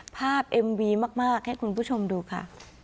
เอ็มวีมากให้คุณผู้ชมดูค่ะ